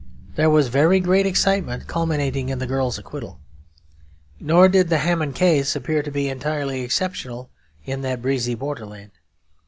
There was very great excitement culminating in the girl's acquittal. Nor did the Hamon case appear to be entirely exceptional in that breezy borderland.